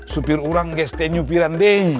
supir orang itu yang nyupiran